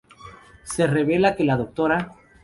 Se revela que la Dra.